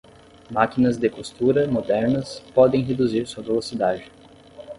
Máquinas de costura modernas podem reduzir sua velocidade.